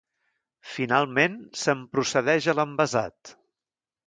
Finalment, se'n procedeix a l'envasat.